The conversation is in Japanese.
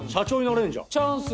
チャンス。